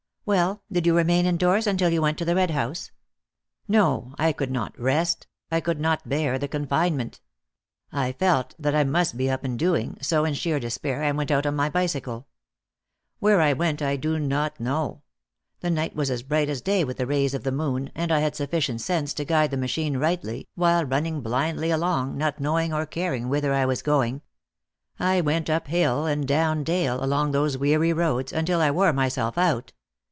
Well, did you remain indoors until you went to the Red House?" "No. I could not rest; I could not bear the confinement. I felt that I must be up and doing, so, in sheer despair, I went out on my bicycle. Where I went I do not know. The night was as bright as day with the rays of the moon, and I had sufficient sense to guide the machine rightly, while running blindly along, not knowing or caring whither I was going. I went up hill and down dale along those weary roads, until I wore myself out.